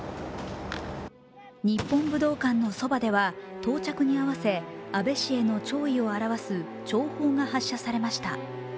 日本武道館のそばでは到着に合わせ安倍氏への弔意を表す弔砲が発射されました。